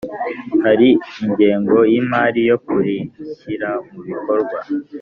hari ingengo y imari yo kurishyira mu bikorwa